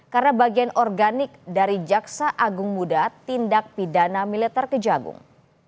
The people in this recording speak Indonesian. karena bagian organik dari jaksa agung muda tindak pidana militer kejagung